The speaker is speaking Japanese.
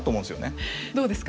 どうですか？